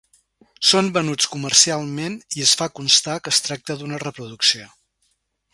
Són venuts comercialment i es fa constar que es tracta d'una reproducció.